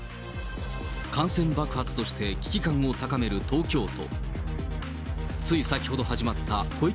感染爆発として危機感を高める東京都。